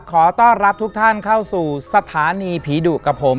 ขอต้อนรับทุกท่านเข้าสู่สถานีผีดุกับผม